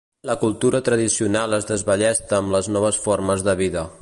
La cultura tradicional es desballesta amb les noves formes de vida.